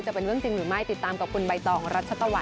เป็นเรื่องจริงหรือไม่ติดตามกับคุณใบตองรัชตะวัน